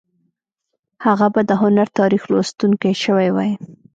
هغه به د هنر تاریخ لوستونکی شوی وای